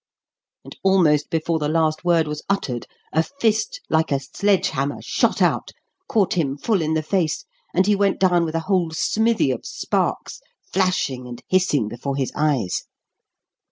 And almost before the last word was uttered a fist like a sledge hammer shot out, caught him full in the face, and he went down with a whole smithy of sparks flashing and hissing before his eyes.